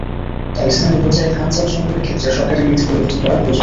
তাই স্থানীয় পর্যায়ে ধান, চাল সংগ্রহের ক্ষেত্রে সরকারের নীতি পরিবর্তন করা প্রয়োজন।